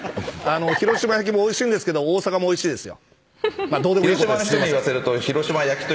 広島焼きもおいしいですけど大阪もおいしいですよ。